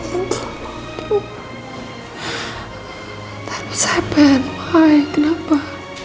apa yang terjadi kenapa